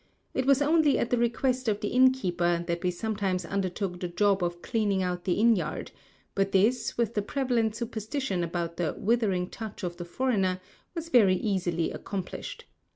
It was only at the request of the innkeeper that we sometimes undertook the job of cleaning out the inn yard; but this, with the prevalent superstition about the "withering touch of the foreigner," was very easily accomplished.